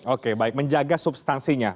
oke baik menjaga substansinya